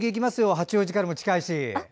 八王子からも近いし。